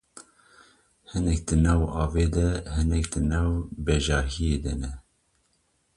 Hinek di nav avê de, hinek di bejahiyê de ne.